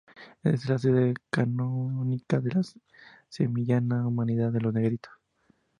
Es la sede canónica de la sevillana Hermandad de los Negritos.